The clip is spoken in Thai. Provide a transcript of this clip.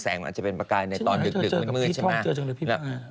แสงมันอาจจะเป็นปากกายในตอนดึกมืดใช่ไหม